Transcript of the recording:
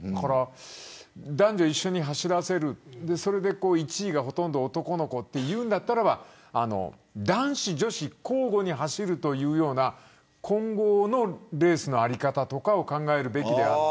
男女一緒に走らせるそれで１位がほとんど男の子というなら男子女子交互に走るというような混合のレースの在り方を考えるべき。